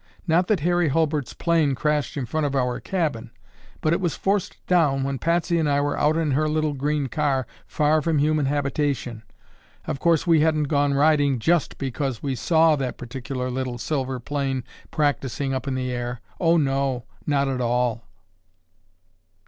Not that Harry Hulbert's plane crashed in front of our cabin but it was forced down when Patsy and I were out in her little green car far from human habitation. Of course we hadn't gone riding just because we saw that particular little silver plane practicing up in the air—oh, no—not at all!"